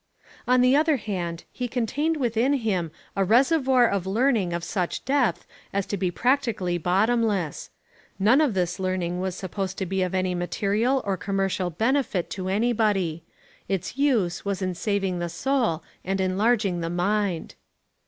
On the other hand he contained within him a reservoir of learning of such depth as to be practically bottomless. None of this learning was supposed to be of any material or commercial benefit to anybody. Its use was in saving the soul and enlarging the mind.